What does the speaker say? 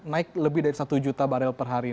naik lebih dari satu juta barel per hari